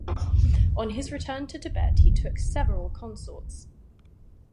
On his return to Tibet, he took several consorts.